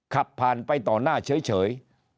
ขับผ่านไปต่อหน้าเฉย